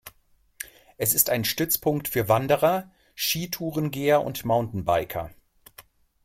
Es ist ein Stützpunkt für Wanderer, Skitourengeher und Mountainbiker.